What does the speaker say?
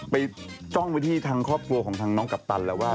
จ้องไปที่ทางครอบครัวของทางน้องกัปตันแล้วว่า